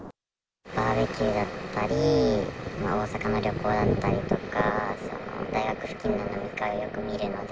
バーベキューだったり、大阪の旅行だったりとか、大学付近の飲み会をよく見るので。